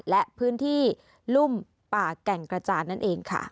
และพื้นที่รุ่มป่าแก่งกระจานนั่นเองค่ะ